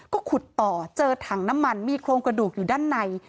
ก็ขุดต่อเจอถังน้ำมันมีโครงกระดูกอยู่ด้านใน